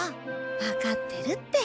わかってるって。